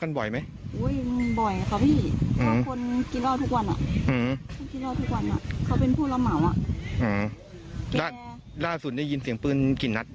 สักจอดเมื่อล่าสุดได้ยินเสียงพื้นกลิ่นนัส